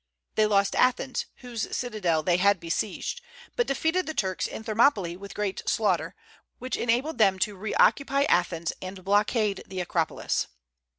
They lost Athens, whose citadel they had besieged, but defeated the Turks in Thermopylae with great slaughter, which enabled them to reoccupy Athens and blockade the Acropolis.